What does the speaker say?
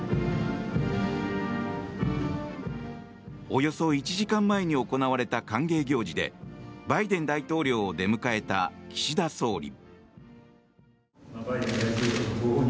およそ１時間前に行われた歓迎行事でバイデン大統領を出迎えた岸田総理。